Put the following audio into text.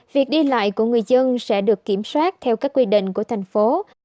việc đi lại của người dân sẽ được kiểm soát theo các quy định của thành phố